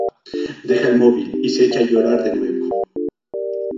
Deja el móvil y se echa a llorar de nuevo.